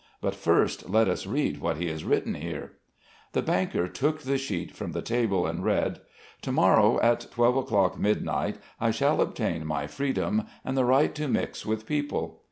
But, first, let us read what he has written here." The banker took the sheet from the table and read: "To morrow at twelve o'clock midnight, I shall obtain my freedom and the right to mix with people.